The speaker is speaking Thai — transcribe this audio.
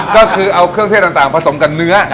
ก็คือเอาเครื่องเทศต่างผสมกับเนื้อ